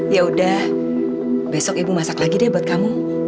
yaudah besok ibu masak lagi deh buat kamu